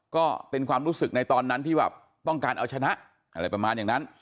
ก็เป็นความรู้สึกในตอนนั้นที่แบบต้องการเอาชนะอะไรประมาณอย่างนั้น